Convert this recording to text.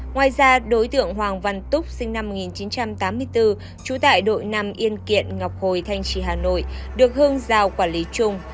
ngoài ra đối tượng hoàng văn túc sinh năm một nghìn chín trăm tám mươi bốn trú tại đội năm yên kiện ngọc hồi thanh trì hà nội được hương giao quản lý chung